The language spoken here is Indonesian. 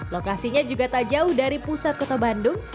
lokasinya juga tak jauh dari pusat kota bandung